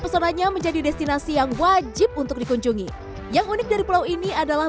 pesonanya menjadi destinasi yang wajib untuk dikunjungi yang unik dari pulau ini adalah